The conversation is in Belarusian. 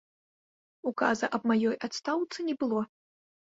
Указа аб маёй адстаўцы не было.